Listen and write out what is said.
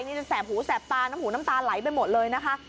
นี่จะแสบหูแสบตาน้ำหูน้ำตาไหลไปหมดเลยนะคะ